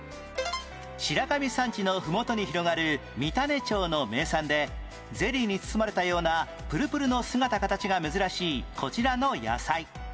白神山地のふもとに広がる三種町の名産でゼリーに包まれたようなプルプルの姿形が珍しいこちらの野菜